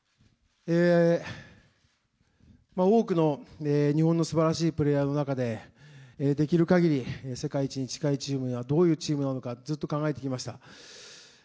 多くの日本のすばらしいプレーヤーの中で、できるかぎり、世界一に近いチームはどういうチームなのか、ずっと考えてきました。